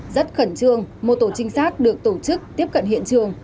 rất khẩn trương một tổ trinh sát được tổ chức tiếp cận hiện trường